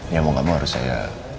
ya mau gak mau harus saya